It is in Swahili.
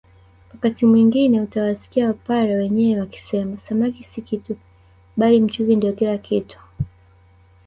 Wakati mwingine utawasikia wapare wenyewe wakisema samaki si kitu bali mchuzi ndio kila kitu